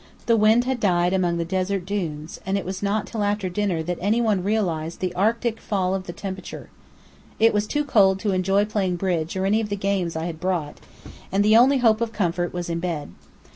The wind had died among the desert dunes, and it was not till after dinner that any one realized the arctic fall of temperature. It was too cold to enjoy playing bridge or any of the games I had brought; and the only hope of comfort was in bed.